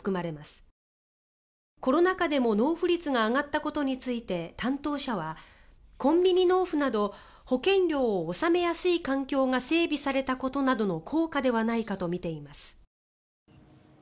コロナ禍でも納付率が上がったことについて担当者はコンビニ納付など保険料を納めやすい環境が整備されたことなどの効果ではないかとみています。